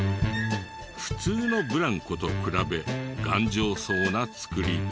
普通のブランコと比べ頑丈そうな作りで。